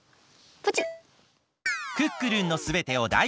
ポチッ！